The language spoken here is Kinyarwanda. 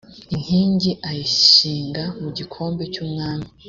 inkingi ayishinga mu gikombe cy umwami